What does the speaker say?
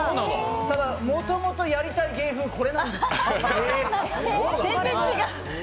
ただ、もともとやりたい芸風、これなんです。